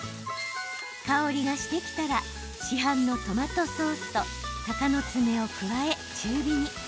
香りがしてきたら市販のトマトソースとたかのつめを加え中火に。